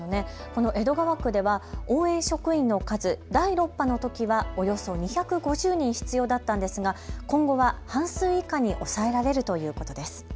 この江戸川区では応援職員の数、第６波のときはおよそ２５０人必要だったんですが今後は半数以下に抑えられるということです。